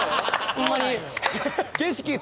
ホンマに。